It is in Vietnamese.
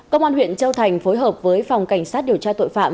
công an huyện châu thành phối hợp với phòng cảnh sát điều tra tội phạm